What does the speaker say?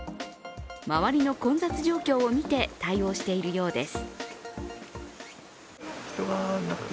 周りの混雑状況を見て対応しているようです。